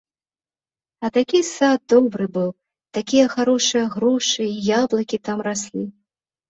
А такі сад добры быў, такія харошыя грушы і яблыкі там раслі.